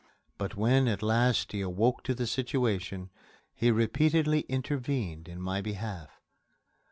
But when at last he awoke to the situation, he repeatedly intervened in my behalf.